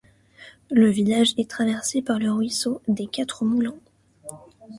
Le village est traversé par le ruisseau des Quatre Moulins.